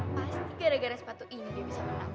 pasti gara gara sepatu ini dia bisa menang